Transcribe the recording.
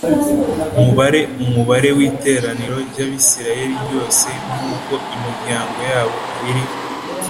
Mubare umubare w’iteraniro ry’Abisirayeli ryose nk’uko imiryango yabo iri